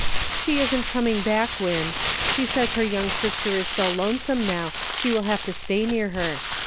" She isn't coming back, Win. She says her young sister is so lonesome now, she will have to stay near her.